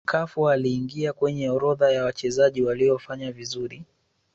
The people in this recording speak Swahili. cafu aliingia kwenye orodha ya wachezaji waliofanya vizuri